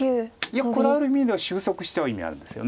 いやこれある意味では収束してる意味あるんですよね。